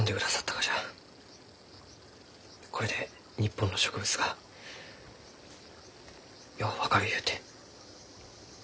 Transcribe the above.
これで日本の植物がよう分かるゆうて。